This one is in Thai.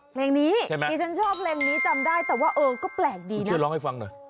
เพลงนี้ใช่ไหมที่ฉันชอบเพลงนี้จำได้แต่ว่าเออก็แปลกดีนะช่วยร้องให้ฟังหน่อย